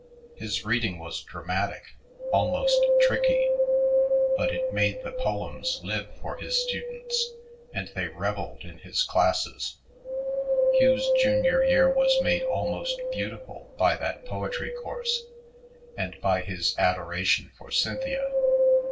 His reading was dramatic, almost tricky; but it made the poems live for his students, and they reveled in his classes. Hugh's junior year was made almost beautiful by that poetry course and by his adoration for Cynthia.